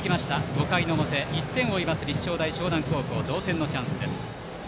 ５回の表１点を追います、立正大淞南高校同点のチャンス。